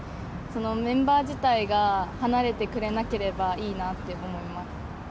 メンバー自体が離れてくれなければいいなって思います。